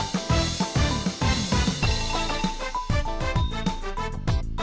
พี่เช้าเลือกก่อน